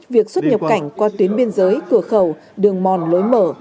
việc xuất nhập cảnh qua tuyến biên giới cửa khẩu đường mòn lối mở